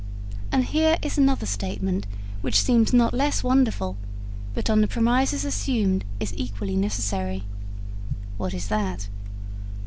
And here is another statement which seems not less wonderful, but on the premises assumed is equally necessary.' 'What is that?'